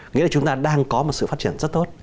nghĩa là chúng ta đang có một sự phát triển rất tốt